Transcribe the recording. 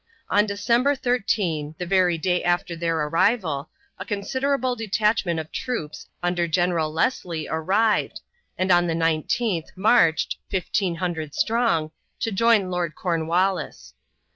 On December 13, the very day after their arrival, a considerable detachment of troops, under General Leslie, arrived, and on the 19th marched, 1500 strong, to join Lord Cornwallis.